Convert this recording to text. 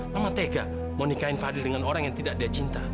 nama tega mau nikahin fadli dengan orang yang tidak dia cinta